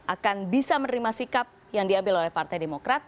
akan bisa menerima sikap yang diambil oleh partai demokrat